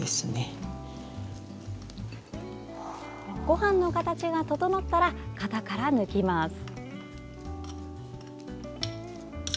ごはんの形が整ったら型から抜きます。